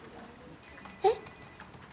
えっ？